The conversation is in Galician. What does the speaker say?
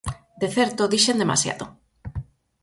De certo dixen demasiado.